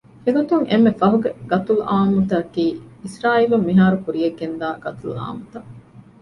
އެގޮތުން އެންމެ ފަހުގެ ގަތުލުއާންމުތަކަކީ އިސްރާއީލުން މިހާރު ކުރިޔަށްގެންދާ ގަތުލުއާންމުތައް